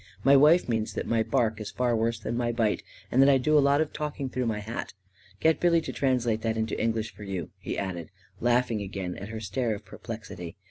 My wife means that my bark is far worse than my bite, and that I do a lot of talking through my hat. Get Billy to translate that into English for you," he added, laughing again at her stare of perplexity.